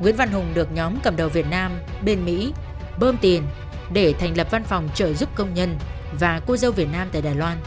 nguyễn văn hùng được nhóm cầm đầu việt nam bên mỹ bơm tiền để thành lập văn phòng trợ giúp công nhân và cô dâu việt nam tại đài loan